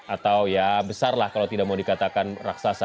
atau ya besar lah kalau tidak mau dikatakan raksasa